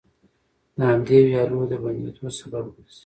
د همدې ويالو د بندېدو سبب ګرځي،